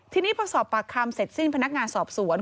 ทีนี้พอสอบปากคำเสร็จสิ้นพนักงานสอบสวน